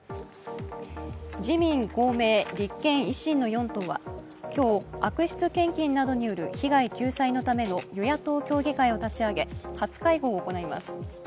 自民・公明・立憲・維新の４党は今日、悪質献金などによる被害救済のための与野党協議会を立ち上げ、初会合を行います。